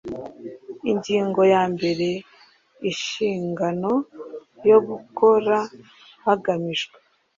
ingingo ya mbere inshingano yo gukora hagamijwe